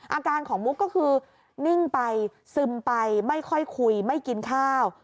อาการของมุกก็คือนิ่งไปซึมไปไม่ค่อยคุยไม่กินข้าว